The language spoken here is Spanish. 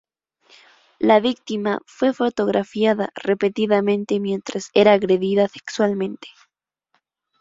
La víctima fue fotografiada repetidamente mientras era agredida sexualmente.